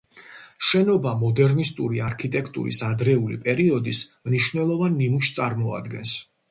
შენობა მოდერნისტული არქიტექტურის ადრეული პერიოდის მნიშვნელოვან ნიმუშს წარმოადგენს.